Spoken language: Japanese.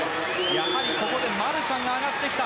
やはりマルシャンが上がってきた。